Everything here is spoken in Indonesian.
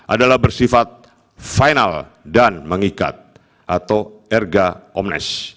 adalah bersifat final dan mengikat atau erga omnes